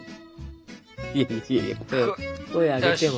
いやいや声上げても。